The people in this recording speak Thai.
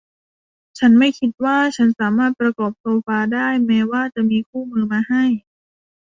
ฉันไม่คิดว่าฉันสามารถประกอบโซฟาได้ แม้ว่าจะมีคู่มือมาให้